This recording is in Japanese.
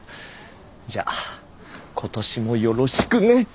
じゃあ今年もよろしくね！